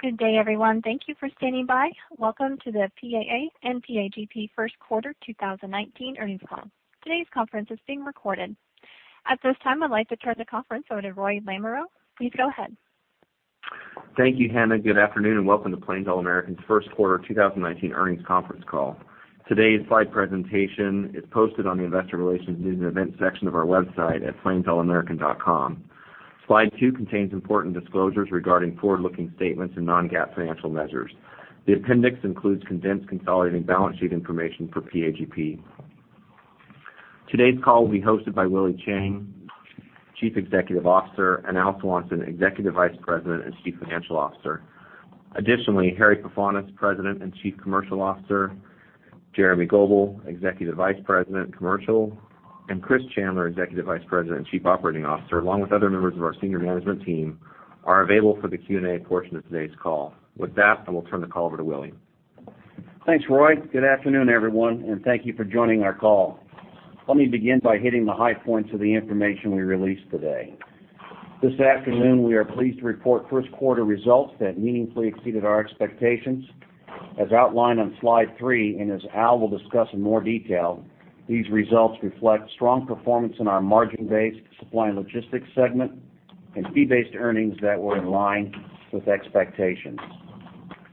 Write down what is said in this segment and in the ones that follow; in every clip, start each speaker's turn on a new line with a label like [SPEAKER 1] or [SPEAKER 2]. [SPEAKER 1] Good day, everyone. Thank you for standing by. Welcome to the PAA and PAGP first quarter 2019 earnings call. Today's conference is being recorded. At this time, I'd like to turn the conference over to Roy Lamoreaux. Please go ahead.
[SPEAKER 2] Thank you, Hannah. Good afternoon, and welcome to Plains All American's first quarter 2019 earnings conference call. Today's slide presentation is posted on the investor relations news and events section of our website at plains.com. Slide two contains important disclosures regarding forward-looking statements and non-GAAP financial measures. The appendix includes condensed consolidated balance sheet information for PAGP. Today's call will be hosted by Willie Chiang, Chief Executive Officer, and Al Swanson, Executive Vice President and Chief Financial Officer. Additionally, Harry Pefanis, President and Chief Commercial Officer, Jeremy Goebel, Executive Vice President, Commercial, and Chris Chandler, Executive Vice President and Chief Operating Officer, along with other members of our senior management team, are available for the Q&A portion of today's call. I will turn the call over to Willie.
[SPEAKER 3] Thanks, Roy. Good afternoon, everyone, and thank you for joining our call. Let me begin by hitting the high points of the information we released today. This afternoon, we are pleased to report first-quarter results that meaningfully exceeded our expectations. As outlined on slide three, and as Al will discuss in more detail, these results reflect strong performance in our margin-based supply and logistics segment and fee-based earnings that were in line with expectations.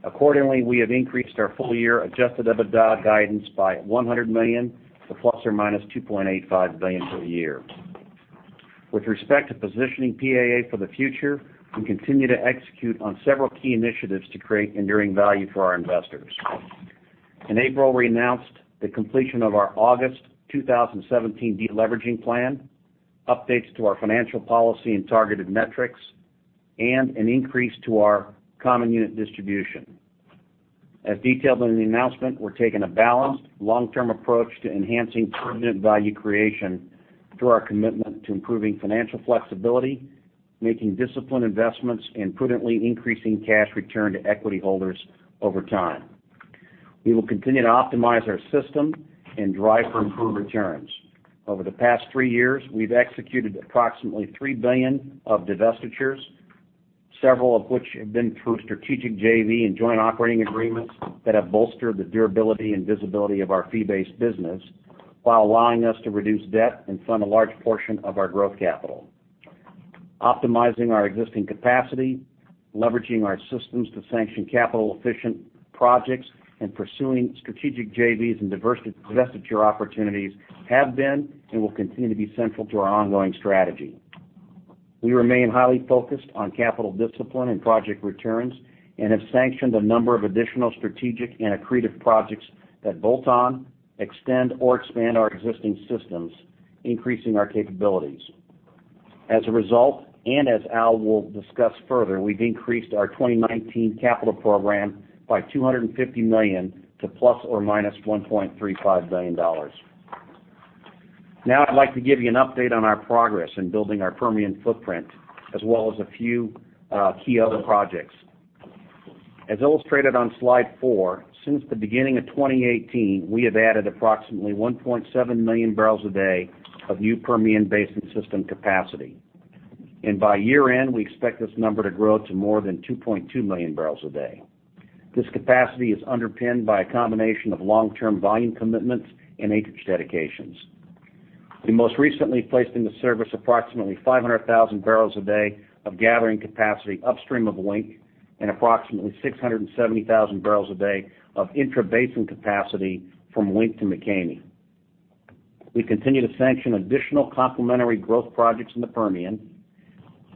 [SPEAKER 3] Accordingly, we have increased our full-year adjusted EBITDA guidance by $100 million to ±$2.85 billion for the year. With respect to positioning PAA for the future, we continue to execute on several key initiatives to create enduring value for our investors. In April, we announced the completion of our August 2017 de-leveraging plan, updates to our financial policy and targeted metrics, and an increase to our common unit distribution. As detailed in the announcement, we're taking a balanced, long-term approach to enhancing permanent value creation through our commitment to improving financial flexibility, making disciplined investments, and prudently increasing cash return to equity holders over time. We will continue to optimize our system and drive for improved returns. Over the past three years, we've executed approximately $3 billion of divestitures, several of which have been through strategic JV and joint operating agreements that have bolstered the durability and visibility of our fee-based business while allowing us to reduce debt and fund a large portion of our growth capital. Optimizing our existing capacity, leveraging our systems to sanction capital-efficient projects, and pursuing strategic JVs and divestiture opportunities have been and will continue to be central to our ongoing strategy. We remain highly focused on capital discipline and project returns and have sanctioned a number of additional strategic and accretive projects that bolt on, extend, or expand our existing systems, increasing our capabilities. As a result, and as Al will discuss further, we've increased our 2019 capital program by $250 million to ±$1.35 billion. I'd like to give you an update on our progress in building our Permian footprint, as well as a few key other projects. As illustrated on slide four, since the beginning of 2018, we have added approximately 1.7 million barrels a day of new Permian Basin system capacity. By year-end, we expect this number to grow to more than 2.2 million barrels a day. This capacity is underpinned by a combination of long-term volume commitments and acreage dedications. We most recently placed into service approximately 500,000 barrels a day of gathering capacity upstream of Wink and approximately 670,000 barrels a day of intrabasin capacity from Wink to McCamey. We continue to sanction additional complementary growth projects in the Permian,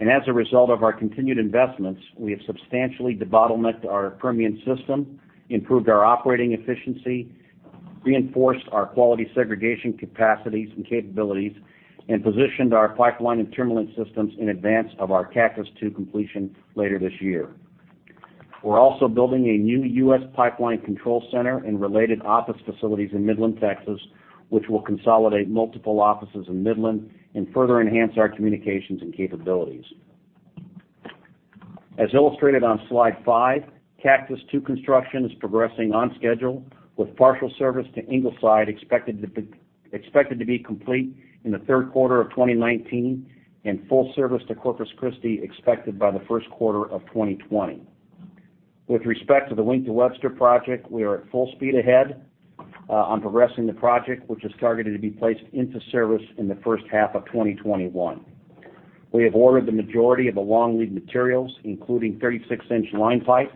[SPEAKER 3] as a result of our continued investments, we have substantially debottlenecked our Permian system, improved our operating efficiency, reinforced our quality segregation capacities and capabilities, and positioned our Pipeline and terminal systems in advance of our Cactus II completion later this year. We're also building a new U.S. pipeline control center and related office facilities in Midland, Texas, which will consolidate multiple offices in Midland and further enhance our communications and capabilities. As illustrated on slide five, Cactus II construction is progressing on schedule, with partial service to Ingleside expected to be complete in the third quarter of 2019 and full service to Corpus Christi expected by the first quarter of 2020. With respect to the Wink to Webster project, we are at full speed ahead on progressing the project, which is targeted to be placed into service in the first half of 2021. We have ordered the majority of the long-lead materials, including 36-inch line pipes.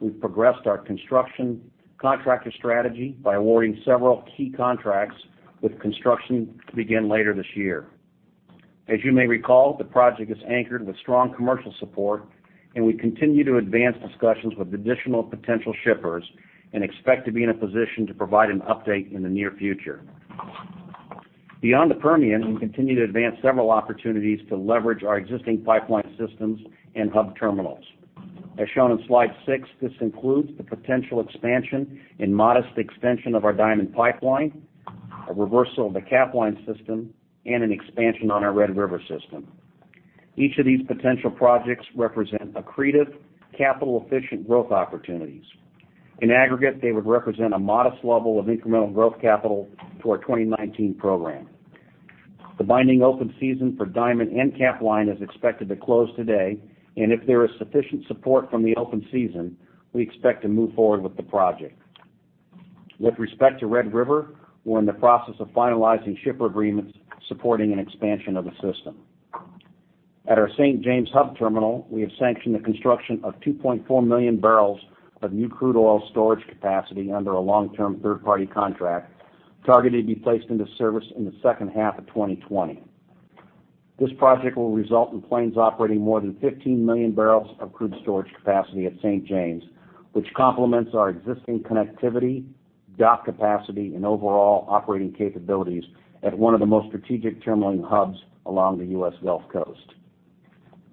[SPEAKER 3] We've progressed our construction contractor strategy by awarding several key contracts, with construction to begin later this year. As you may recall, the project is anchored with strong commercial support, we continue to advance discussions with additional potential shippers and expect to be in a position to provide an update in the near future. Beyond the Permian, we continue to advance several opportunities to leverage our existing Pipeline systems and hub terminals. As shown on slide six, this includes the potential expansion and modest expansion of our Diamond Pipeline, a reversal of the Capline Pipeline, and an expansion on our Red River Pipeline system. Each of these potential projects represent accretive, capital-efficient growth opportunities. In aggregate, they would represent a modest level of incremental growth capital to our 2019 program. The binding open season for Diamond and Capline is expected to close today, if there is sufficient support from the open season, we expect to move forward with the project. With respect to Red River, we're in the process of finalizing shipper agreements supporting an expansion of the system. At our St. James hub terminal, we have sanctioned the construction of 2.4 million barrels of new crude oil storage capacity under a long-term third-party contract, targeted to be placed into service in the second half of 2020. This project will result in Plains operating more than 15 million barrels of crude storage capacity at St. James, which complements our existing connectivity, dock capacity, and overall operating capabilities at one of the most strategic terminal hubs along the U.S. Gulf Coast.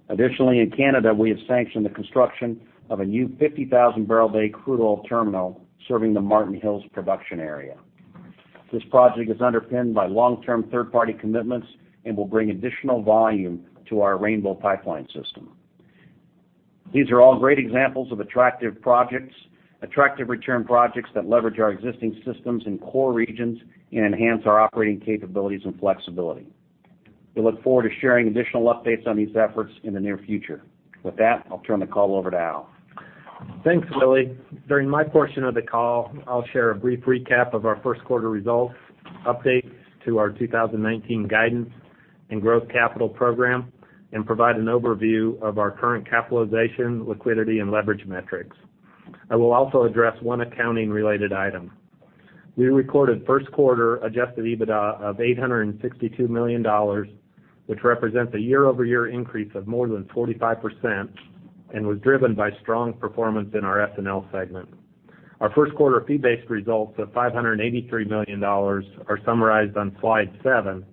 [SPEAKER 3] Additionally, in Canada, we have sanctioned the construction of a new 50,000-barrel crude oil terminal serving the Martin Hills production area. This project is underpinned by long-term third-party commitments and will bring additional volume to our Rainbow Pipeline System. These are all great examples of attractive return projects that leverage our existing systems in core regions and enhance our operating capabilities and flexibility. We look forward to sharing additional updates on these efforts in the near future. With that, I'll turn the call over to Al.
[SPEAKER 4] Thanks, Willie. During my portion of the call, I'll share a brief recap of our first quarter results, updates to our 2019 guidance and growth capital program, and provide an overview of our current capitalization, liquidity, and leverage metrics. I will also address one accounting-related item. We recorded first quarter adjusted EBITDA of $862 million, which represents a year-over-year increase of more than 45% and was driven by strong performance in our S&L segment. Our first quarter fee-based results of $583 million are summarized on slide seven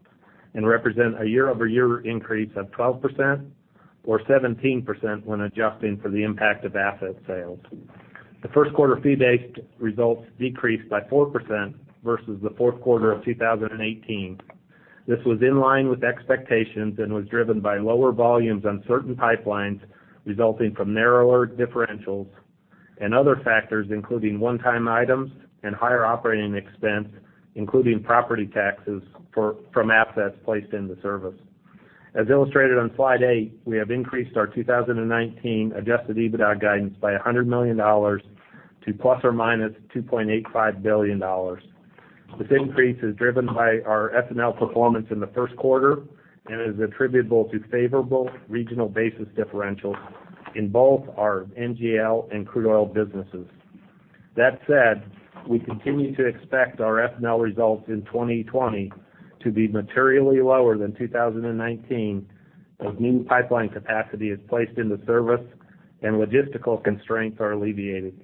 [SPEAKER 4] and represent a year-over-year increase of 12%, or 17% when adjusting for the impact of asset sales. The first quarter fee-based results decreased by 4% versus the fourth quarter of 2018. This was in line with expectations and was driven by lower volumes on certain pipelines, resulting from narrower differentials and other factors, including one-time items and higher operating expense, including property taxes from assets placed into service. As illustrated on slide eight, we have increased our 2019 adjusted EBITDA guidance by $100 million to ±$2.85 billion. This increase is driven by our S&L performance in the first quarter and is attributable to favorable regional basis differentials in both our NGL and crude oil businesses. That said, we continue to expect our S&L results in 2020 to be materially lower than 2019 as new pipeline capacity is placed into service and logistical constraints are alleviated.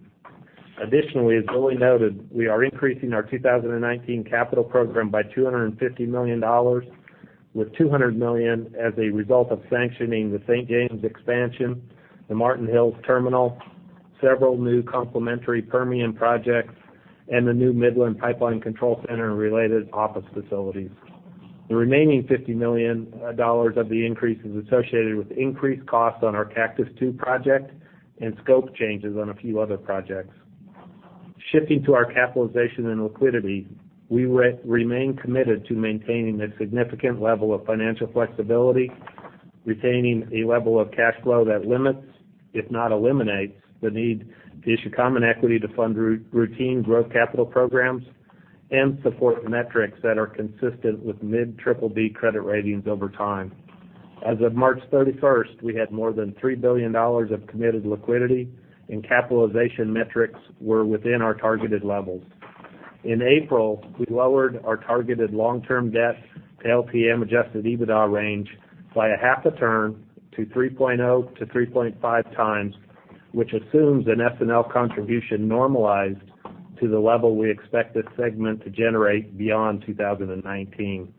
[SPEAKER 4] Additionally, as Willie noted, we are increasing our 2019 capital program by $250 million, with $200 million as a result of sanctioning the St. James expansion, the Martin Hills terminal, several new complementary Permian projects, and the new Midland pipeline control center and related office facilities. The remaining $50 million of the increase is associated with increased costs on our Cactus II project and scope changes on a few other projects. Shifting to our capitalization and liquidity, we remain committed to maintaining a significant level of financial flexibility, retaining a level of cash flow that limits, if not eliminates, the need to issue common equity to fund routine growth capital programs and support metrics that are consistent with mid-BBB credit ratings over time. As of March 31st, we had more than $3 billion of committed liquidity, and capitalization metrics were within our targeted levels. In April, we lowered our targeted long-term debt to LTM adjusted EBITDA range by a half a turn to 3.0-3.5 times, which assumes an S&L contribution normalized to the level we expect this segment to generate beyond 2019.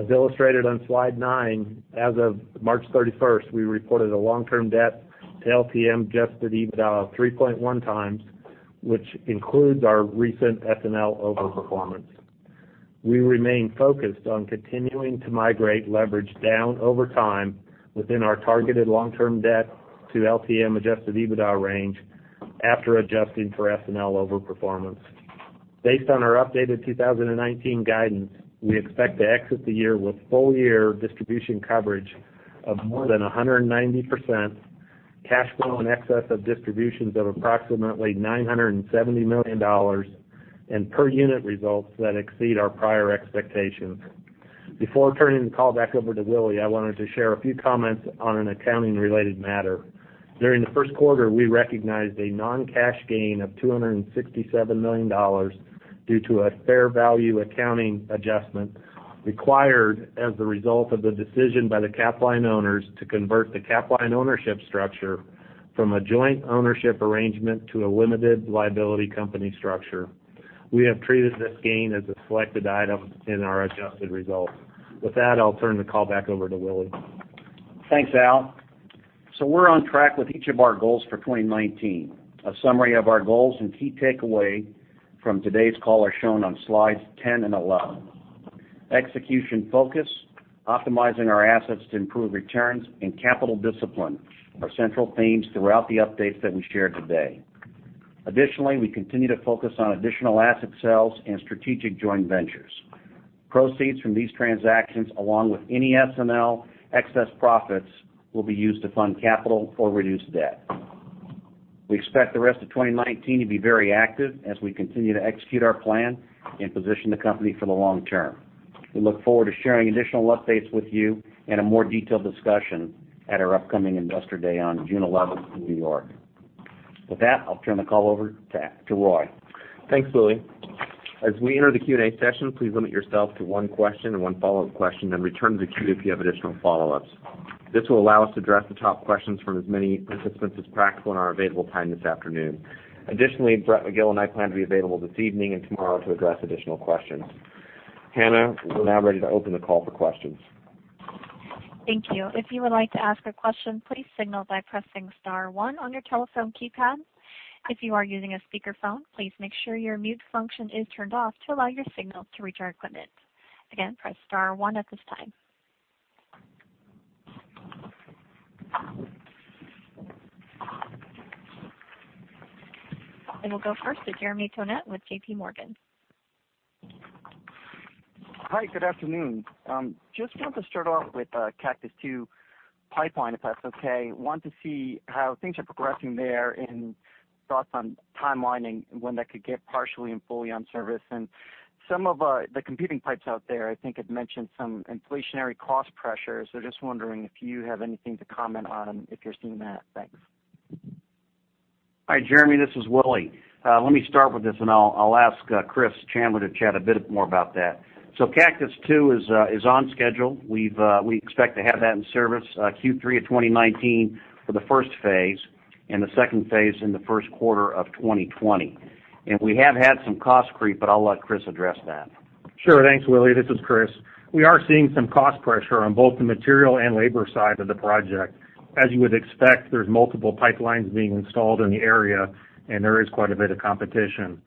[SPEAKER 4] As illustrated on slide nine, as of March 31st, we reported a long-term debt to LTM adjusted EBITDA of 3.1 times, which includes our recent S&L overperformance. We remain focused on continuing to migrate leverage down over time within our targeted long-term debt to LTM adjusted EBITDA range after adjusting for S&L overperformance. Based on our updated 2019 guidance, we expect to exit the year with full-year distribution coverage of more than 190%, cash flow in excess of distributions of approximately $970 million, and per-unit results that exceed our prior expectations. Before turning the call back over to Willie, I wanted to share a few comments on an accounting-related matter. During the first quarter, we recognized a non-cash gain of $267 million due to a fair value accounting adjustment required as a result of the decision by the Capline owners to convert the Capline ownership structure from a joint ownership arrangement to a limited liability company structure. We have treated this gain as a selected item in our adjusted results. With that, I'll turn the call back over to Willie.
[SPEAKER 3] Thanks, Al. We're on track with each of our goals for 2019. A summary of our goals and key takeaway from today's call are shown on slides 10 and 11. Execution focus, optimizing our assets to improve returns, and capital discipline are central themes throughout the updates that we shared today. Additionally, we continue to focus on additional asset sales and strategic joint ventures. Proceeds from these transactions, along with any S&L excess profits, will be used to fund capital or reduce debt. We expect the rest of 2019 to be very active as we continue to execute our plan and position the company for the long term. We look forward to sharing additional updates with you in a more detailed discussion at our upcoming Investor Day on June 11th in New York. With that, I'll turn the call over to Roy.
[SPEAKER 5] Thanks, Willie. As we enter the Q&A session, please limit yourself to one question and one follow-up question, then return to the queue if you have additional follow-ups. This will allow us to address the top questions from as many participants as practical in our available time this afternoon. Additionally, Brett Magill and I plan to be available this evening and tomorrow to address additional questions. Hannah, we're now ready to open the call for questions.
[SPEAKER 1] Thank you. If you would like to ask a question, please signal by pressing star one on your telephone keypad. If you are using a speakerphone, please make sure your mute function is turned off to allow your signal to reach our equipment. Again, press star one at this time. We'll go first to Jeremy Tonet with J.P. Morgan.
[SPEAKER 6] Hi, good afternoon. Just wanted to start off with Cactus II Pipeline, if that's okay. Want to see how things are progressing there and thoughts on timelining when that could get partially and fully on service. Some of the competing pipes out there, I think had mentioned some inflationary cost pressures. Just wondering if you have anything to comment on if you're seeing that. Thanks.
[SPEAKER 3] Hi, Jeremy. This is Willie. Let me start with this, and I'll ask Chris Chandler to chat a bit more about that. Cactus II is on schedule. We expect to have that in service, Q3 of 2019 for the first phase and the second phase in the first quarter of 2020. We have had some cost creep, but I'll let Chris address that.
[SPEAKER 7] Sure. Thanks, Willie. This is Chris. We are seeing some cost pressure on both the material and labor side of the project. As you would expect, there's multiple pipelines being installed in the area, and there is quite a bit of competition.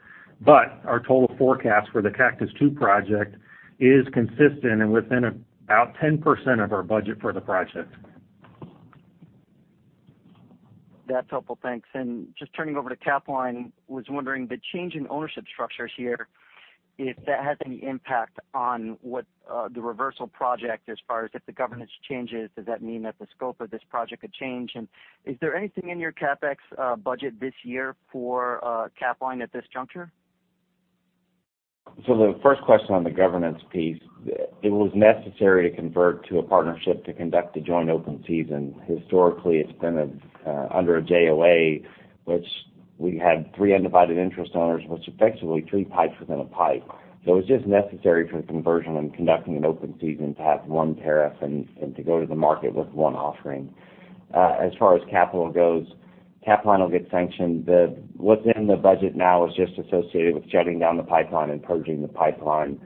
[SPEAKER 7] Our total forecast for the Cactus Two project is consistent and within about 10% of our budget for the project.
[SPEAKER 6] That's helpful. Thanks. Just turning over to Capline, was wondering, the change in ownership structures here, if that has any impact on what the reversal project as far as if the governance changes, does that mean that the scope of this project could change? Is there anything in your CapEx budget this year for Capline at this juncture?
[SPEAKER 5] The first question on the governance piece, it was necessary to convert to a partnership to conduct a joint open season. Historically, it's been under a JOA, which we had three undivided interest owners, which effectively three pipes within a pipe. It was just necessary for the conversion and conducting an open season to have one tariff and to go to the market with one offering. As far as capital goes, Capline will get sanctioned. What's in the budget now is just associated with shutting down the pipeline and purging the pipeline.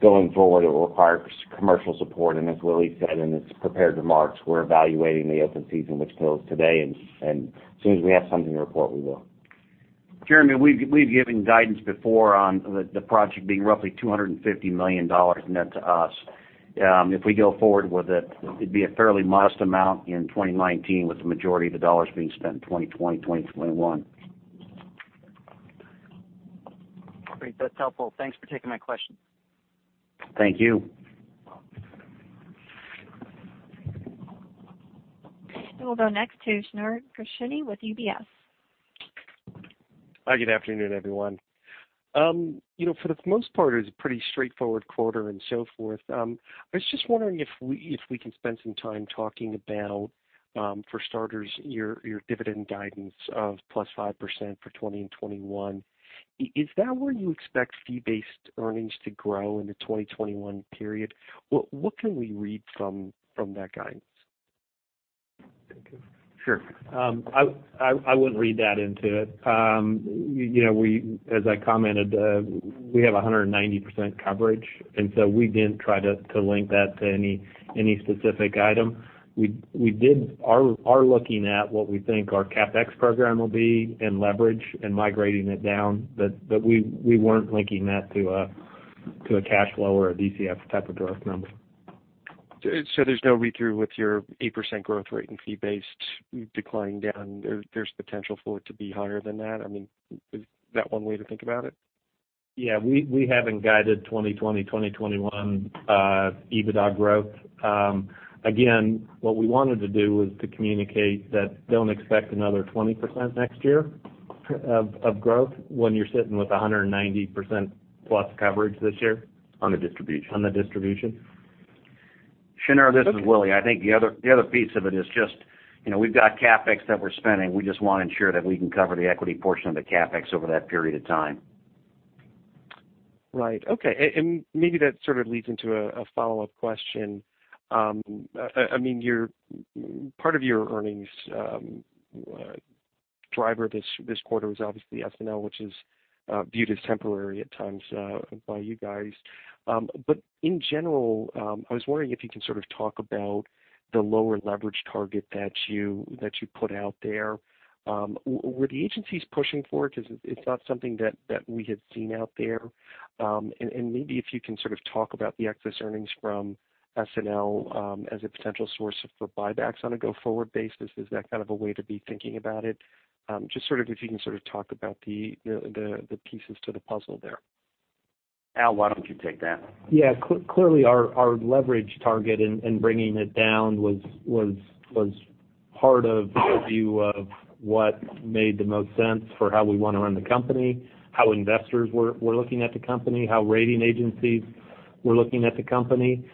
[SPEAKER 5] Going forward, it will require commercial support, as Willie said in his prepared remarks, we're evaluating the open season, which closed today, as soon as we have something to report, we will.
[SPEAKER 3] Jeremy, we've given guidance before on the project being roughly $250 million net to us. If we go forward with it'd be a fairly modest amount in 2019, with the majority of the dollars being spent in 2020, 2021.
[SPEAKER 6] Great. That's helpful. Thanks for taking my question.
[SPEAKER 3] Thank you.
[SPEAKER 1] We'll go next to Shneur Gershuni with UBS.
[SPEAKER 8] Hi, good afternoon, everyone. For the most part, it was a pretty straightforward quarter and so forth. I was just wondering if we can spend some time talking about, for starters, your dividend guidance of plus 5% for 2020 and 2021. Is that where you expect fee-based earnings to grow into 2021 period? What can we read from that guidance?
[SPEAKER 4] Sure. I wouldn't read that into it. As I commented, we have 190% coverage, we didn't try to link that to any specific item. We are looking at what we think our CapEx program will be and leverage and migrating it down, but we weren't linking that to a cash flow or a DCF type of derived number.
[SPEAKER 8] There's no read-through with your 8% growth rate in fee based declining down. There's potential for it to be higher than that. Is that one way to think about it?
[SPEAKER 4] Yeah. We haven't guided 2020, 2021 EBITDA growth. Again, what we wanted to do was to communicate that don't expect another 20% next year of growth when you're sitting with 190% plus coverage this year.
[SPEAKER 5] On the distribution.
[SPEAKER 4] On the distribution.
[SPEAKER 3] Shneur, this is Willie. I think the other piece of it is just, we've got CapEx that we're spending. We just want to ensure that we can cover the equity portion of the CapEx over that period of time.
[SPEAKER 8] Right. Okay. Maybe that sort of leads into a follow-up question. Part of your earnings driver this quarter was obviously S&L, which is viewed as temporary at times by you guys. In general, I was wondering if you can sort of talk about the lower leverage target that you put out there. Were the agencies pushing for it? Because it's not something that we had seen out there. Maybe if you can sort of talk about the excess earnings from S&L as a potential source for buybacks on a go-forward basis. Is that kind of a way to be thinking about it? Just sort of if you can sort of talk about the pieces to the puzzle there.
[SPEAKER 5] Al, why don't you take that?
[SPEAKER 4] Yeah. Clearly, our leverage target and bringing it down was part of our view of what made the most sense for how we want to run the company, how investors were looking at the company, how rating agencies were looking at the company.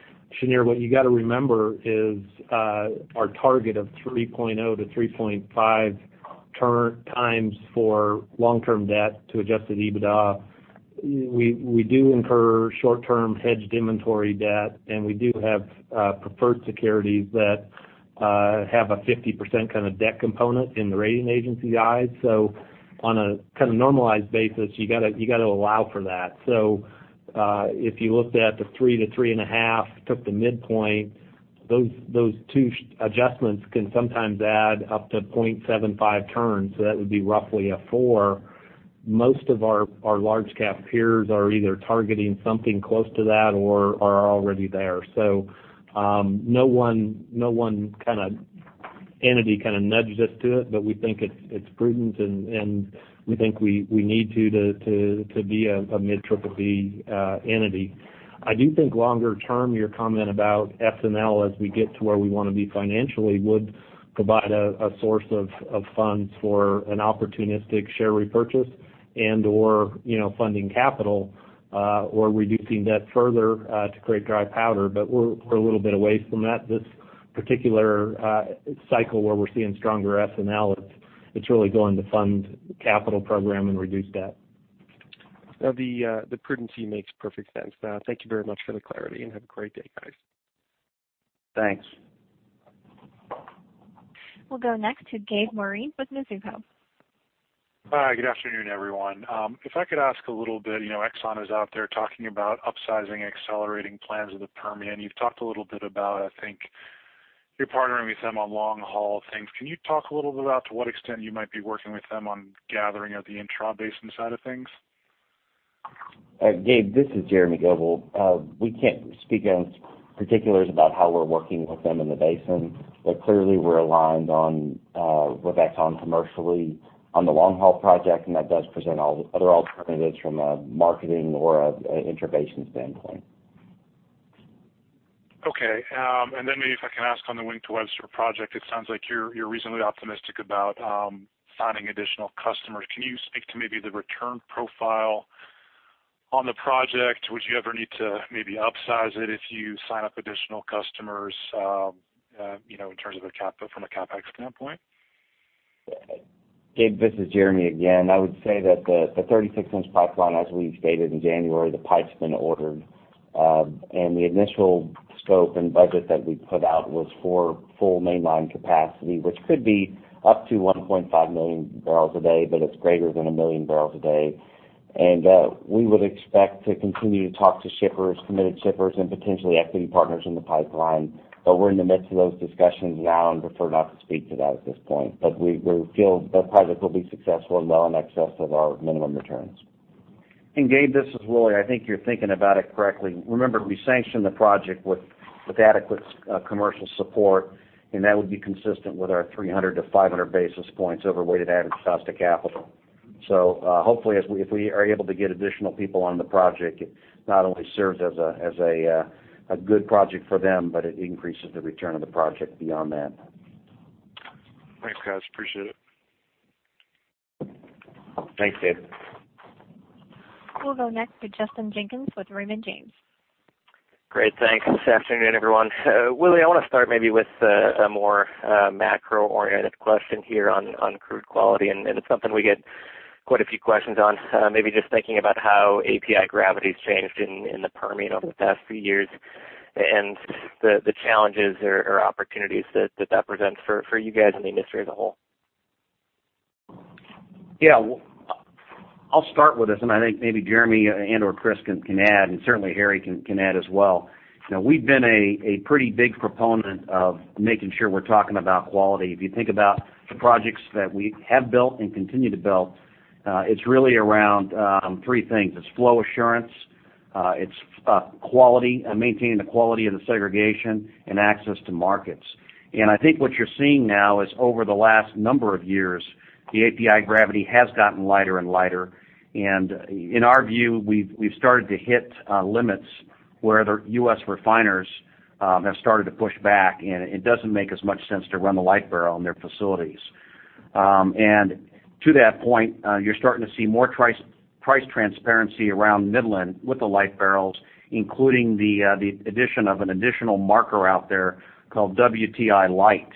[SPEAKER 4] Shneur, what you got to remember is our target of 3.0 to 3.5 turn times for long-term debt to adjusted EBITDA. We do incur short-term hedged inventory debt, and we do have preferred securities that have a 50% kind of debt component in the rating agency eyes. On a kind of normalized basis, you got to allow for that. If you looked at the 3 to 3.5, took the midpoint, those two adjustments can sometimes add up to 0.75 turns. That would be roughly a 4. Most of our large-cap peers are either targeting something close to that or are already there. No one entity kind of nudged us to it, but we think it's prudent, and we think we need to be a mid-BBB entity. I do think longer term, your comment about S&L as we get to where we want to be financially would provide a source of funds for an opportunistic share repurchase and/or funding capital or reducing debt further to create dry powder. We're a little bit away from that. This particular cycle where we're seeing stronger S&L, it's really going to fund the capital program and reduce debt.
[SPEAKER 8] The prudency makes perfect sense. Thank you very much for the clarity, and have a great day, guys.
[SPEAKER 4] Thanks.
[SPEAKER 1] We'll go next to Gabriel Moreen with Mizuho.
[SPEAKER 9] Hi, good afternoon, everyone. If I could ask a little bit, ExxonMobil is out there talking about upsizing, accelerating plans of the Permian. You've talked a little bit about, I think you're partnering with them on long-haul things. Can you talk a little bit about to what extent you might be working with them on gathering of the intra-basin side of things?
[SPEAKER 5] Gabe, this is Jeremy Goebel. We can't speak on particulars about how we're working with them in the basin, but clearly we're aligned on with ExxonMobil commercially on the long-haul project, and that does present other alternatives from a marketing or an intra-basin standpoint.
[SPEAKER 9] Okay. Maybe if I can ask on the Wink-to-Webster project, it sounds like you're reasonably optimistic about finding additional customers. Can you speak to maybe the return profile on the project? Would you ever need to maybe upsize it if you sign up additional customers in terms of from a CapEx standpoint?
[SPEAKER 5] Gabe, this is Jeremy again. I would say that the 36-inch pipeline, as we've stated in January, the pipe's been ordered. The initial scope and budget that we put out was for full mainline capacity, which could be up to 1.5 million barrels a day, but it's greater than 1 million barrels a day. We would expect to continue to talk to shippers, committed shippers, and potentially equity partners in the pipeline. We're in the midst of those discussions now and prefer not to speak to that at this point. We feel the project will be successful and well in excess of our minimum returns.
[SPEAKER 3] Gabe, this is Willie. I think you're thinking about it correctly. Remember, we sanctioned the project with adequate commercial support, and that would be consistent with our 300 to 500 basis points over weighted average cost of capital. Hopefully, if we are able to get additional people on the project, it not only serves as a good project for them, but it increases the return of the project beyond that.
[SPEAKER 9] Thanks, guys. Appreciate it.
[SPEAKER 3] Thanks, Gabe.
[SPEAKER 1] We'll go next to Justin Jenkins with Raymond James.
[SPEAKER 10] Great, thanks. Good afternoon, everyone. Willie, I want to start maybe with a more macro-oriented question here on crude quality, and it's something we get quite a few questions on. Maybe just thinking about how API gravity's changed in the Permian over the past few years and the challenges or opportunities that that presents for you guys and the industry as a whole.
[SPEAKER 3] Yeah. I'll start with this, and I think maybe Jeremy and/or Chris can add, and certainly Harry can add as well. We've been a pretty big proponent of making sure we're talking about quality. If you think about the projects that we have built and continue to build, it's really around three things. It's flow assurance, it's maintaining the quality of the segregation, and access to markets. I think what you're seeing now is over the last number of years, the API gravity has gotten lighter and lighter. In our view, we've started to hit limits where the U.S. refiners have started to push back, and it doesn't make as much sense to run the light barrel in their facilities. To that point, you're starting to see more price transparency around Midland with the light barrels, including the addition of an additional marker out there called WTI Light,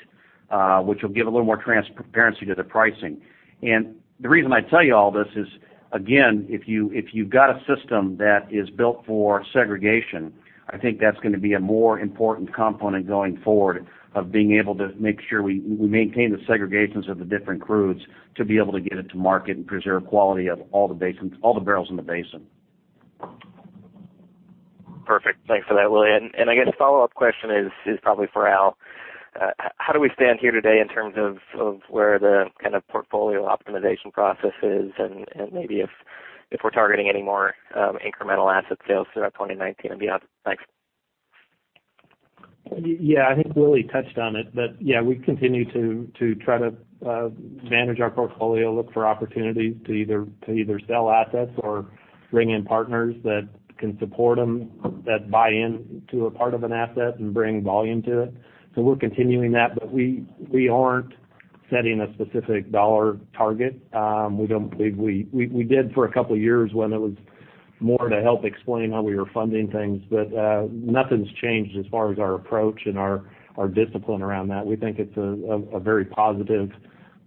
[SPEAKER 3] which will give a little more transparency to the pricing. The reason I tell you all this is, again, if you've got a system that is built for segregation, I think that's going to be a more important component going forward of being able to make sure we maintain the segregations of the different crudes to be able to get it to market and preserve quality of all the barrels in the basin.
[SPEAKER 10] Perfect. Thanks for that, Willie. I guess a follow-up question is probably for Al. How do we stand here today in terms of where the kind of portfolio optimization process is and maybe if we're targeting any more incremental asset sales throughout 2019 and beyond? Thanks.
[SPEAKER 4] Yeah, I think Willie touched on it. Yeah, we continue to try to manage our portfolio, look for opportunities to either sell assets or bring in partners that can support them, that buy into a part of an asset and bring volume to it. We're continuing that. We aren't setting a specific dollar target. We did for a couple of years when it was more to help explain how we were funding things. Nothing's changed as far as our approach and our discipline around that. We think it's a very positive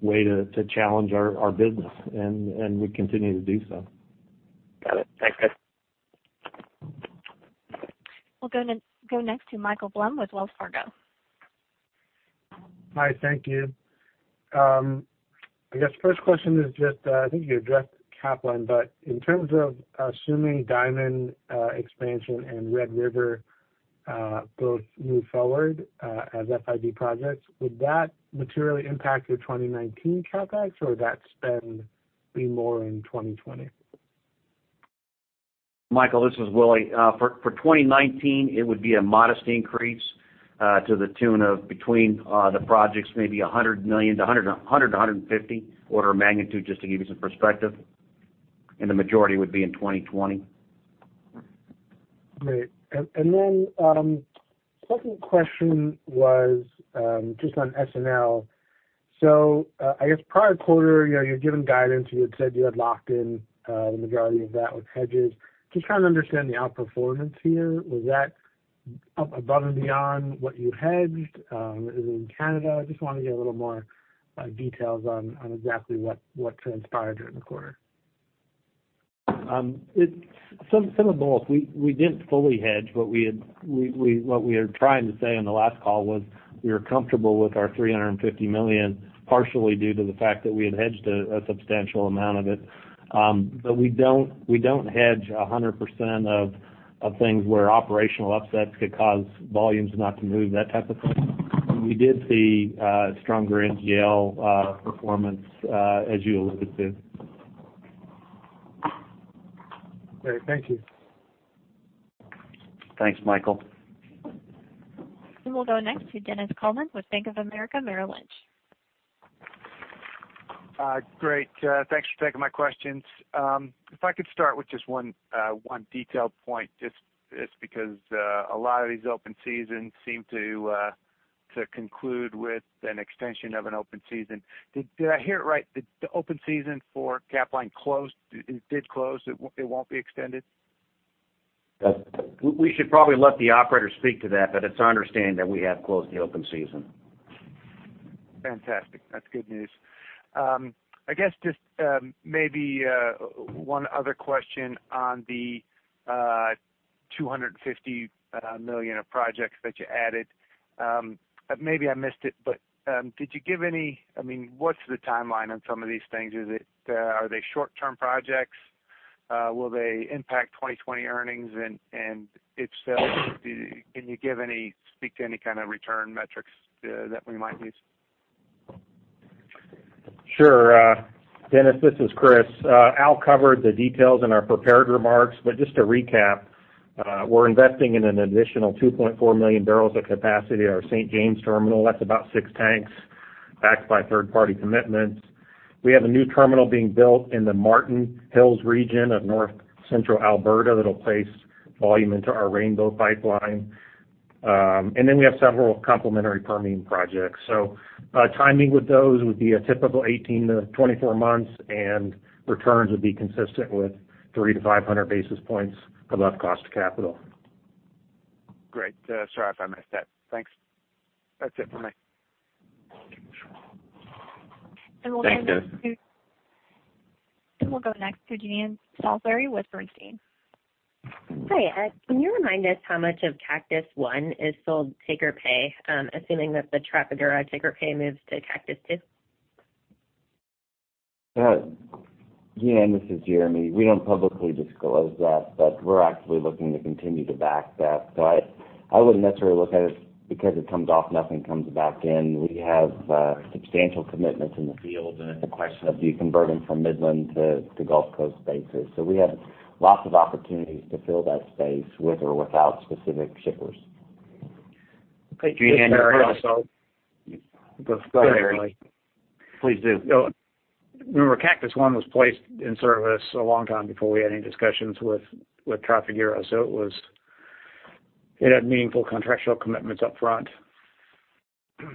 [SPEAKER 4] way to challenge our business, and we continue to do so.
[SPEAKER 10] Got it. Thanks, guys.
[SPEAKER 1] We'll go next to Michael Blum with Wells Fargo.
[SPEAKER 11] Hi, thank you. I guess first question is just, I think you addressed Capline, but in terms of assuming Diamond expansion and Red River both move forward as FID projects, would that materially impact your 2019 CapEx or would that spend be more in 2020?
[SPEAKER 3] Michael, this is Willie. For 2019, it would be a modest increase to the tune of between the projects, maybe 100 to 150 order of magnitude, just to give you some perspective. The majority would be in 2020.
[SPEAKER 11] Great. Then second question was just on S&L. I guess prior quarter, you're given guidance, you had said you had locked in the majority of that with hedges. Just trying to understand the outperformance here. Was that up above and beyond what you hedged? Was it in Canada? I just want to get a little more details on exactly what transpired during the quarter.
[SPEAKER 4] Some of both. We didn't fully hedge. What we are trying to say on the last call was we were comfortable with our $350 million, partially due to the fact that we had hedged a substantial amount of it. We don't hedge 100% of things where operational upsets could cause volumes not to move, that type of thing. We did see stronger NGL performance as you alluded to.
[SPEAKER 11] Great. Thank you.
[SPEAKER 3] Thanks, Michael.
[SPEAKER 1] We'll go next to Dennis Coleman with Bank of America Merrill Lynch.
[SPEAKER 12] Great. Thanks for taking my questions. I could start with just one detailed point, just because a lot of these open seasons seem to conclude with an extension of an open season. Did I hear it right? The open season for Capline did close, it won't be extended?
[SPEAKER 3] We should probably let the operator speak to that. It's our understanding that we have closed the open season.
[SPEAKER 12] Fantastic. That is good news. I guess just maybe one other question on the $250 million of projects that you added. Maybe I missed it, but what is the timeline on some of these things? Are they short-term projects? Will they impact 2020 earnings? And if so, can you speak to any kind of return metrics that we might use?
[SPEAKER 7] Sure. Dennis, this is Chris. Al covered the details in our prepared remarks, but just to recap, we are investing in an additional 2.4 million barrels of capacity at our St. James terminal. That is about six tanks backed by third-party commitments. We have a new terminal being built in the Martin Hills region of North Central Alberta that will place volume into our Rainbow Pipeline. We have several complementary Permian projects. Timing with those would be a typical 18 to 24 months, and returns would be consistent with 300 to 500 basis points above cost of capital.
[SPEAKER 12] Great. Sorry if I missed that. Thanks. That is it for me.
[SPEAKER 3] Thanks, Dennis.
[SPEAKER 1] We'll go next to Jean Salisbury with Bernstein.
[SPEAKER 13] Hi, Ed. Can you remind us how much of Cactus I is still take or pay, assuming that the Trafigura take or pay moves to Cactus II?
[SPEAKER 5] Jean, this is Jeremy. We don't publicly disclose that. We're actually looking to continue to back that. I wouldn't necessarily look at it because it comes off, nothing comes back in. We have substantial commitments in the field, and it's a question of do you convert them from Midland to Gulf Coast spaces. We have lots of opportunities to fill that space with or without specific shippers.
[SPEAKER 3] Hey, Jean.
[SPEAKER 4] Go ahead, Willie.
[SPEAKER 3] Please do.
[SPEAKER 4] Remember, Cactus I was placed in service a long time before we had any discussions with Trafigura. It had meaningful contractual commitments up front.
[SPEAKER 13] Yeah.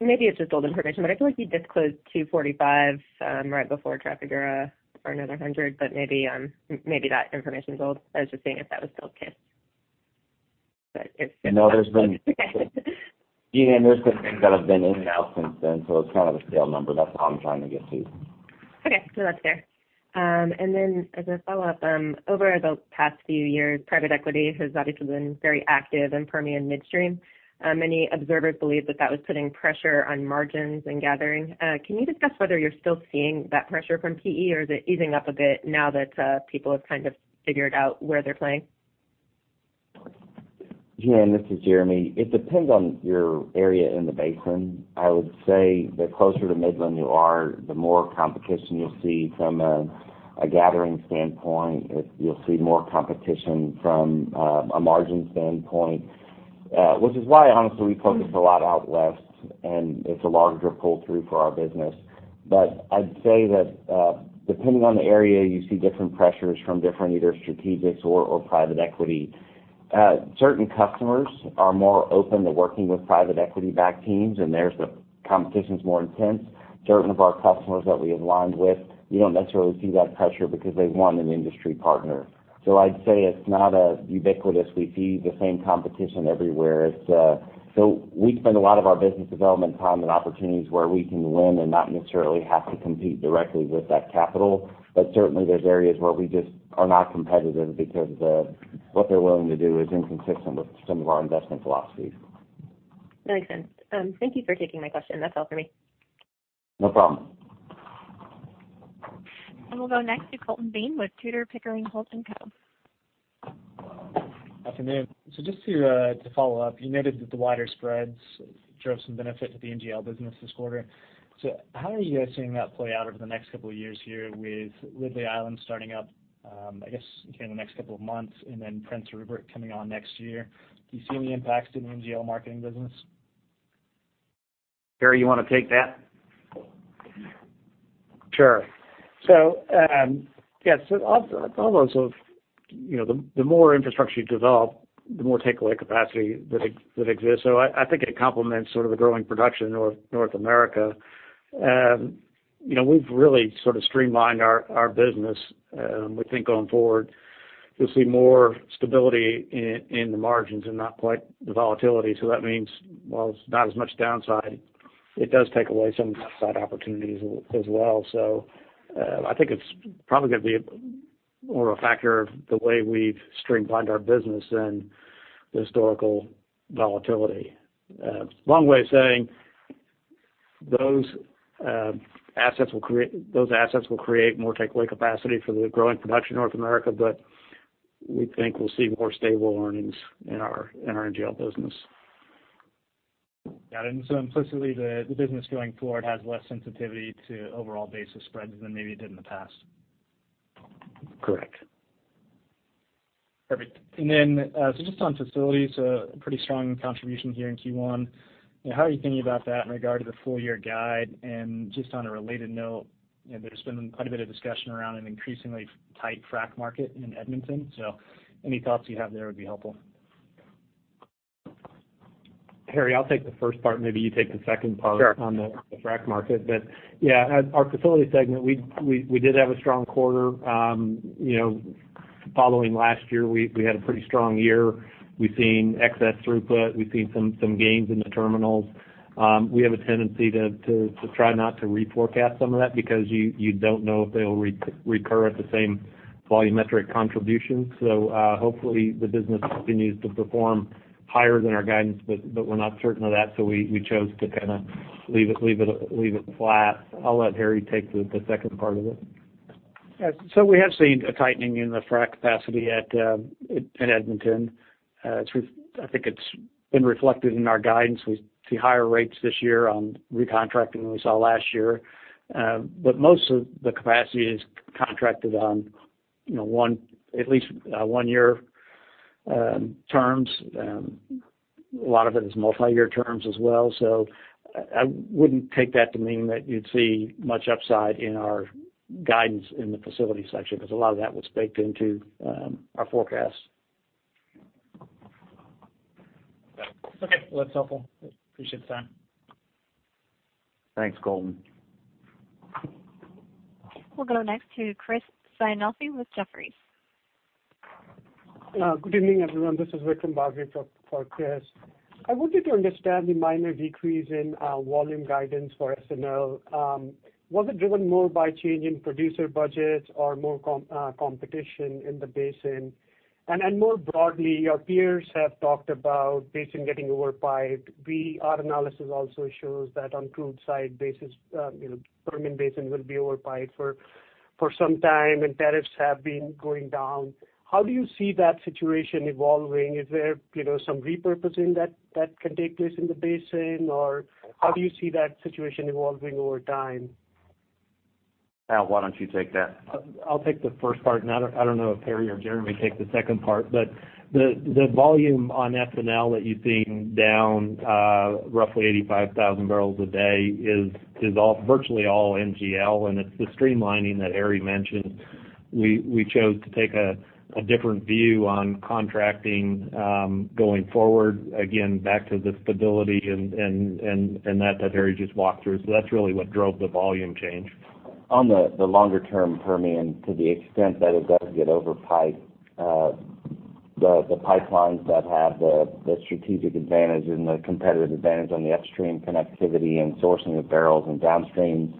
[SPEAKER 13] Maybe it's just old information, I feel like you disclosed 245 right before Trafigura or another 100, but maybe that information's old. I was just seeing if that was still the case.
[SPEAKER 5] No, there's been-
[SPEAKER 13] Okay.
[SPEAKER 5] Jane, there's been things that have been in and out since then, so it's kind of a scale number. That's all I'm trying to get to.
[SPEAKER 13] Okay. No, that's fair. Then as a follow-up, over the past few years, private equity has obviously been very active in Permian midstream. Many observers believe that that was putting pressure on margins and gathering. Can you discuss whether you're still seeing that pressure from PE, or is it easing up a bit now that people have kind of figured out where they're playing?
[SPEAKER 5] Jane, this is Jeremy. It depends on your area in the basin. I would say the closer to Midland you are, the more competition you'll see from a gathering standpoint. You'll see more competition from a margin standpoint. Which is why, honestly, we focus a lot out west, and it's a larger pull-through for our business. I'd say that depending on the area, you see different pressures from different either strategics or private equity. Certain customers are more open to working with private equity-backed teams, and there the competition's more intense. Certain of our customers that we aligned with, we don't necessarily see that pressure because they want an industry partner. I'd say it's not as ubiquitous. We see the same competition everywhere. We spend a lot of our business development time and opportunities where we can win and not necessarily have to compete directly with that capital. Certainly, there's areas where we just are not competitive because what they're willing to do is inconsistent with some of our investment philosophies.
[SPEAKER 13] That makes sense. Thank you for taking my question. That's all for me.
[SPEAKER 5] No problem.
[SPEAKER 1] We'll go next to Colton Bean with Tudor, Pickering, Holt & Co.
[SPEAKER 14] Afternoon. Just to follow up, you noted that the wider spreads drove some benefit to the NGL business this quarter. How are you guys seeing that play out over the next couple of years here with Ridley Island starting up, I guess, again, in the next couple of months, and then Prince Rupert coming on next year? Do you see any impacts to the NGL marketing business?
[SPEAKER 5] Harry, you want to take that?
[SPEAKER 15] Sure. Yes. The more infrastructure you develop, the more takeaway capacity that exists. I think it complements sort of the growing production in North America. We've really sort of streamlined our business. We think going forward, you'll see more stability in the margins and not quite the volatility. That means while it's not as much downside, it does take away some upside opportunities as well. I think it's probably going to be more a factor of the way we've streamlined our business than the historical volatility. Long way of saying those assets will create more takeaway capacity for the growing production in North America, but we think we'll see more stable earnings in our NGL business.
[SPEAKER 14] Got it. Implicitly, the business going forward has less sensitivity to overall basis spreads than maybe it did in the past.
[SPEAKER 15] Correct.
[SPEAKER 14] Perfect. Just on facilities, a pretty strong contribution here in Q1. How are you thinking about that in regard to the full-year guide? And just on a related note, there's been quite a bit of discussion around an increasingly tight frac market in Edmonton. Any thoughts you have there would be helpful.
[SPEAKER 5] Harry, I'll take the first part, maybe you take the second part-
[SPEAKER 15] Sure
[SPEAKER 5] on the frac market. Yeah, our facility segment, we did have a strong quarter. Following last year, we had a pretty strong year. We've seen excess throughput. We've seen some gains in the terminals. We have a tendency to try not to re-forecast some of that because you don't know if they'll recur at the same volumetric contribution. Hopefully the business continues to perform higher than our guidance, but we're not certain of that, so we chose to kind of leave it flat. I'll let Harry take the second part of it.
[SPEAKER 15] We have seen a tightening in the frac capacity in Edmonton. I think it's been reflected in our guidance. We see higher rates this year on recontracting than we saw last year. Most of the capacity is contracted on at least one-year terms. A lot of it is multi-year terms as well. I wouldn't take that to mean that you'd see much upside in our guidance in the facility section, because a lot of that was baked into our forecast.
[SPEAKER 14] Okay. Well, that's helpful. Appreciate the time.
[SPEAKER 15] Thanks, Colton.
[SPEAKER 1] We'll go next to Chris Sighinolfi with Jefferies.
[SPEAKER 16] Good evening, everyone. This is Vikram Bhagwat for Chris. I wanted to understand the minor decrease in volume guidance for S&L. Was it driven more by change in producer budgets or more competition in the basin? More broadly, your peers have talked about basin getting overpiped. Our analysis also shows that on crude side basis, Permian Basin will be overpiped for some time, and tariffs have been going down. How do you see that situation evolving? Is there some repurposing that can take place in the basin, or how do you see that situation evolving over time?
[SPEAKER 5] Al, why don't you take that? I'll take the first part, and I don't know if Harry or Jeremy take the second part. The volume on S&L that you're seeing down roughly 85,000 barrels a day is virtually all NGL, and it's the streamlining that Harry mentioned. We chose to take a different view on contracting going forward, again, back to the stability and that Harry just walked through. That's really what drove the volume change. On the longer-term Permian, to the extent that it does get overpiped, the pipelines that have the strategic advantage and the competitive advantage on the upstream connectivity and sourcing of barrels and downstream,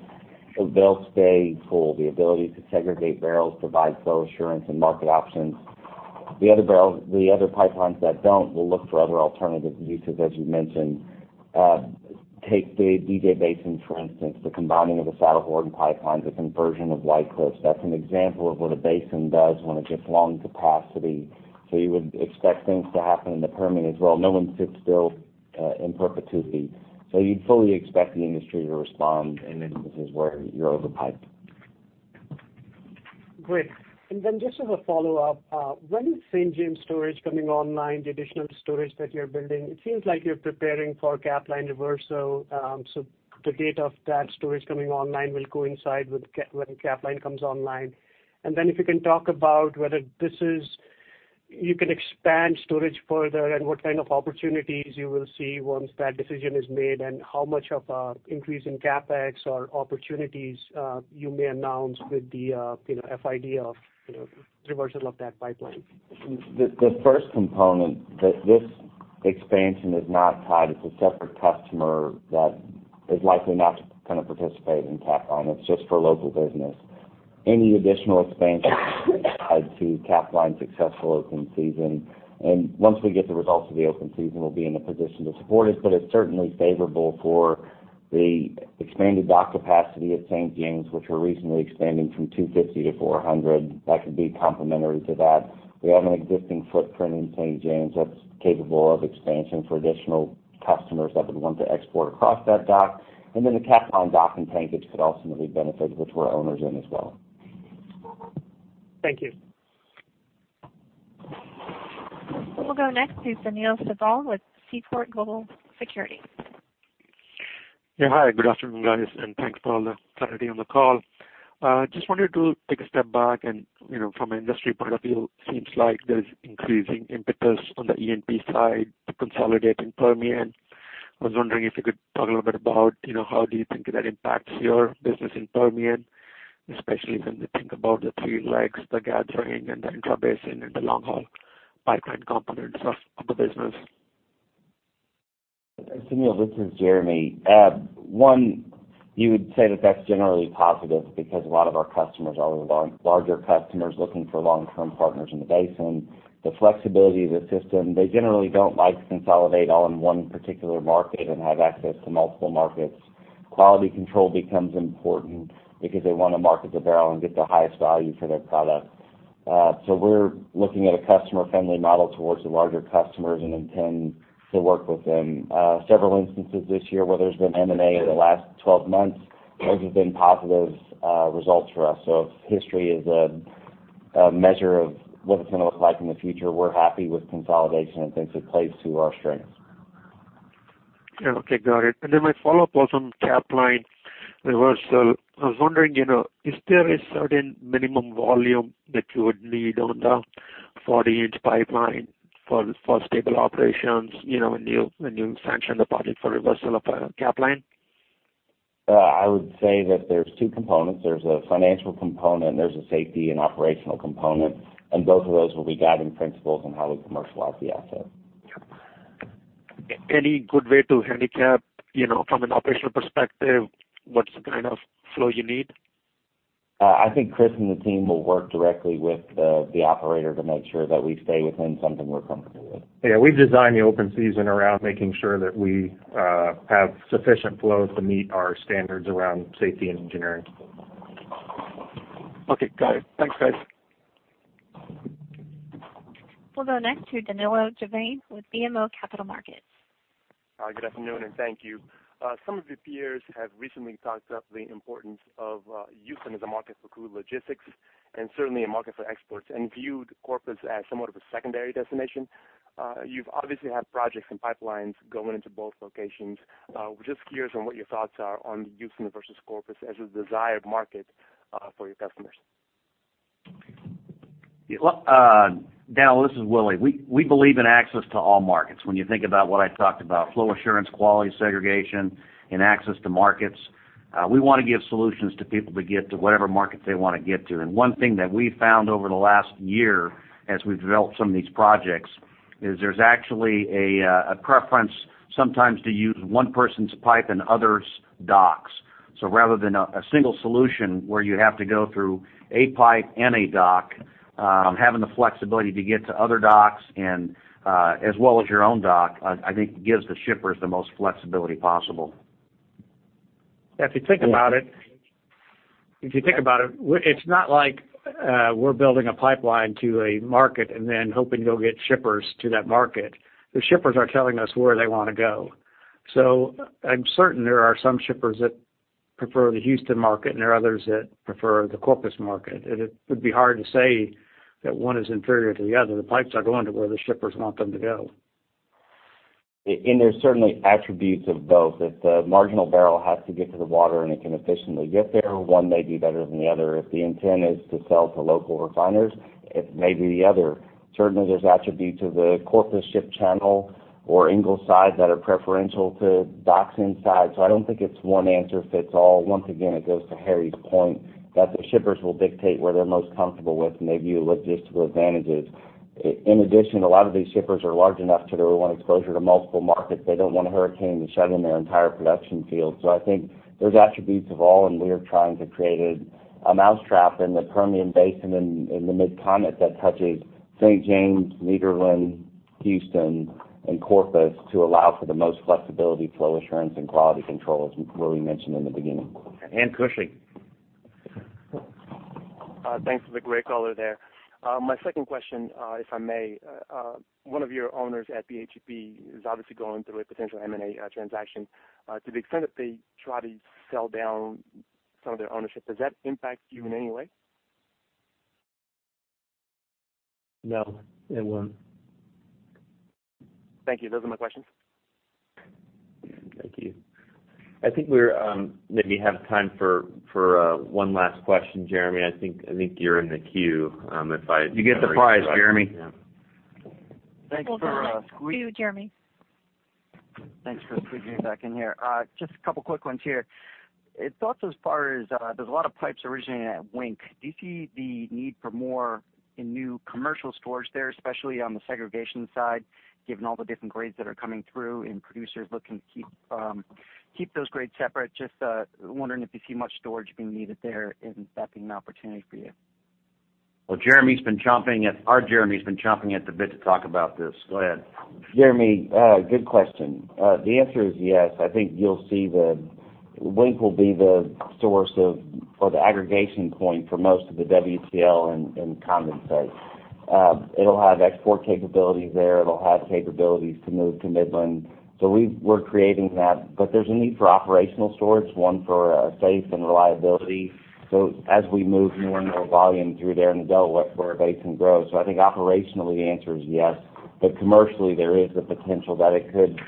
[SPEAKER 5] they'll stay full. The ability to segregate barrels provides flow assurance and market options. The other pipelines that don't will look for other alternative uses, as you mentioned. Take the DJ Basin, for instance, the combining of the Saddlehorn Pipeline, the conversion of White Cliffs Pipeline. That's an example of what a basin does when it gets long capacity. You would expect things to happen in the Permian as well. No one sits still in perpetuity. You'd fully expect the industry to respond in instances where you're overpiped.
[SPEAKER 16] Great. Just as a follow-up, when is St. James storage coming online, the additional storage that you're building? It seems like you're preparing for Capline Pipeline reversal. The date of that storage coming online will coincide when Capline Pipeline comes online. If you can talk about whether you can expand storage further, and what kind of opportunities you will see once that decision is made, and how much of an increase in CapEx or opportunities you may announce with the FID of reversal of that pipeline.
[SPEAKER 5] The first component, this expansion is not tied. It's a separate customer that is likely not to participate in Capline Pipeline. It's just for local business. Any additional expansion is tied to Capline Pipeline successful open season. Once we get the results of the open season, we'll be in a position to support it, but it's certainly favorable for the expanded dock capacity at St. James, which we're recently expanding from 250 to 400. That could be complementary to that. We have an existing footprint in St. James that's capable of expansion for additional customers that would want to export across that dock. The Capline Pipeline dock and tankage could ultimately benefit, which we're owners in as well.
[SPEAKER 16] Thank you.
[SPEAKER 1] We'll go next to Sunil Sibal with Seaport Global Securities.
[SPEAKER 17] Yeah. Hi, good afternoon, guys, and thanks for all the clarity on the call. Just wanted to take a step back from an industry point of view, seems like there's increasing impetus on the E&P side to consolidate in Permian. I was wondering if you could talk a little bit about how do you think that impacts your business in Permian, especially when you think about the three legs, the gathering and the intrabasin and the long-haul pipeline components of the business.
[SPEAKER 5] Sunil, this is Jeremy. One, you would say that that's generally positive because a lot of our customers are larger customers looking for long-term partners in the basin. The flexibility of the system, they generally don't like to consolidate all in one particular market and have access to multiple markets. Quality control becomes important because they want to market the barrel and get the highest value for their product. We're looking at a customer-friendly model towards the larger customers and intend to work with them. Several instances this year where there's been M&A in the last 12 months, those have been positive results for us. If history is a measure of what it's going to look like in the future, we're happy with consolidation and thinks it plays to our strengths.
[SPEAKER 17] Okay, got it. Then my follow-up was on Capline reversal. I was wondering, is there a certain minimum volume that you would need on the 40-inch pipeline for stable operations when you sanction the project for reversal of Capline?
[SPEAKER 5] I would say that there's two components. There's a financial component, there's a safety and operational component, both of those will be guiding principles on how we commercialize the asset.
[SPEAKER 17] Yep. Any good way to handicap from an operational perspective what kind of flow you need?
[SPEAKER 5] I think Chris and the team will work directly with the operator to make sure that we stay within something we're comfortable with.
[SPEAKER 7] Yeah, we've designed the open season around making sure that we have sufficient flow to meet our standards around safety and engineering.
[SPEAKER 17] Okay, got it. Thanks, guys.
[SPEAKER 1] We'll go next to Danilo Gervais with BMO Capital Markets.
[SPEAKER 18] Hi, good afternoon. Thank you. Some of your peers have recently talked up the importance of Houston as a market for crude logistics and certainly a market for exports and viewed Corpus as somewhat of a secondary destination. You've obviously had projects and pipelines going into both locations. We're just curious on what your thoughts are on Houston versus Corpus as a desired market for your customers.
[SPEAKER 3] Danilo, this is Willie. We believe in access to all markets. When you think about what I talked about, flow assurance, quality segregation, and access to markets, we want to give solutions to people to get to whatever market they want to get to. One thing that we've found over the last year as we've developed some of these projects is there's actually a preference sometimes to use one person's pipe and others' docks. Rather than a single solution where you have to go through a pipe and a dock, having the flexibility to get to other docks and as well as your own dock, I think gives the shippers the most flexibility possible.
[SPEAKER 7] If you think about it's not like we're building a pipeline to a market and then hoping you'll get shippers to that market. The shippers are telling us where they want to go. I'm certain there are some shippers that prefer the Houston market, and there are others that prefer the Corpus market. It would be hard to say that one is inferior to the other. The pipes are going to where the shippers want them to go.
[SPEAKER 5] There's certainly attributes of both. If the marginal barrel has to get to the water and it can efficiently get there, one may be better than the other. If the intent is to sell to local refiners, it may be the other. Certainly, there's attributes of the Corpus ship channel or Ingleside that are preferential to docks inside. I don't think it's one answer fits all. Once again, it goes to Harry's point that the shippers will dictate where they're most comfortable with and they view logistical advantages. In addition, a lot of these shippers are large enough that they want exposure to multiple markets. They don't want a hurricane to shut in their entire production field. I think there's attributes of all, and we are trying to create a mousetrap in the Permian Basin in the Mid-Continent that touches St. James, Nederland, Houston, and Corpus to allow for the most flexibility, flow assurance, and quality control, as Willie mentioned in the beginning.
[SPEAKER 3] Cushing.
[SPEAKER 18] Thanks for the great color there. My second question, if I may. One of your owners at [BHG] is obviously going through a potential M&A transaction. To the extent that they try to sell down some of their ownership, does that impact you in any way?
[SPEAKER 3] No, it won't.
[SPEAKER 18] Thank you. Those are my questions.
[SPEAKER 2] Thank you. I think we maybe have time for one last question. Jeremy, I think you're in the queue if I-
[SPEAKER 3] You get the prize, Jeremy.
[SPEAKER 2] yeah.
[SPEAKER 1] Hold on. It's you, Jeremy.
[SPEAKER 6] Thanks for squeezing me back in here. Just a couple of quick ones here. Thoughts as far as there's a lot of pipes originating at Wink. Do you see the need for more in new commercial storage there, especially on the segregation side, given all the different grades that are coming through and producers looking to keep those grades separate? Just wondering if you see much storage being needed there, and that being an opportunity for you.
[SPEAKER 3] Well, our Jeremy's been chomping at the bit to talk about this. Go ahead.
[SPEAKER 5] Jeremy, good question. The answer is yes. I think you'll see that Wink will be the source of, or the aggregation point for most of the WTL and condensate. It'll have export capabilities there. It'll have capabilities to move to Midland. We're creating that, but there's a need for operational storage, one for safety and reliability. As we move more and more volume through there in the Delaware Basin grows. I think operationally the answer is yes, but commercially there is the potential that it could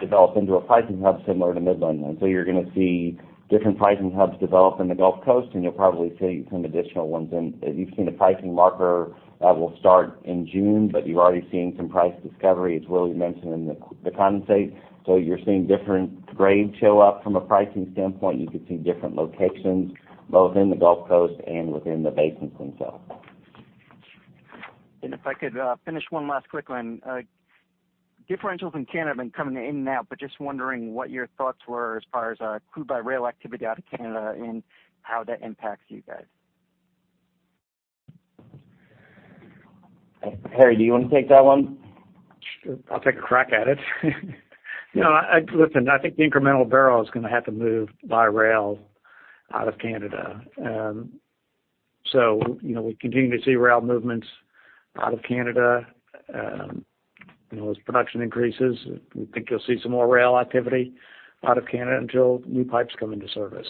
[SPEAKER 5] develop into a pricing hub similar to Midland. You're going to see different pricing hubs develop in the Gulf Coast, and you'll probably see some additional ones. You've seen a pricing marker that will start in June, but you're already seeing some price discovery, as Willie mentioned, in the condensate. You're seeing different grades show up from a pricing standpoint. You could see different locations both in the Gulf Coast and within the basins themselves.
[SPEAKER 6] If I could finish one last quick one. Differentials in Canada have been coming in and out, but just wondering what your thoughts were as far as crude by rail activity out of Canada and how that impacts you guys.
[SPEAKER 5] Harry, do you want to take that one?
[SPEAKER 15] I'll take a crack at it. Listen, I think the incremental barrel is going to have to move by rail out of Canada. We continue to see rail movements out of Canada. As production increases, we think you'll see some more rail activity out of Canada until new pipes come into service.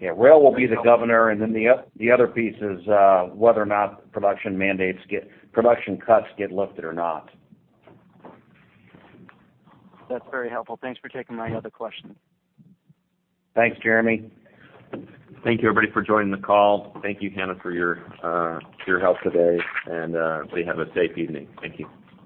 [SPEAKER 5] Yeah, rail will be the governor, and then the other piece is whether or not production cuts get lifted or not.
[SPEAKER 6] That's very helpful. Thanks for taking my other question.
[SPEAKER 5] Thanks, Jeremy.
[SPEAKER 2] Thank you everybody for joining the call. Thank you, Hannah, for your help today, and please have a safe evening. Thank you.